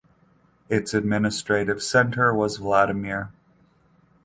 Its administrative centre was Vladimir.